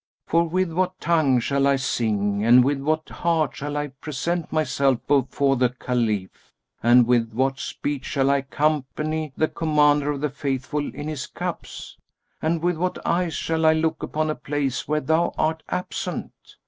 For with what tongue shall I sing and with what heart shall I present myself before the Caliph? and with what speech shall I company the Commander of the Faithful in his cups? and with what eyes shall I look upon a place where thou art absent?